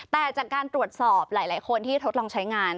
แต่จากการตรวจสอบหลายคนที่ทดลองใช้งาน